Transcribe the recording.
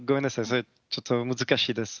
それちょっと難しいです。